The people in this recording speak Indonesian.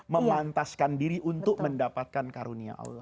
memantaskan diri untuk mendapatkan karunia allah